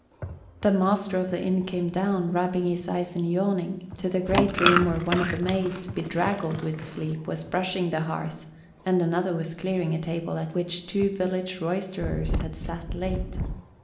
The master of the inn came down, rubbing his eyes and yawning, to the great room where one of the maids, bedraggled with sleep, was brushing the hearth and another was clearing a table at which two village roysterers had sat late.